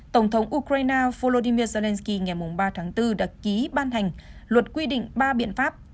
tổng thống ukraine volodymyr zelensky ngày ba tháng bốn đã ký ban hành luật quy định ba biện pháp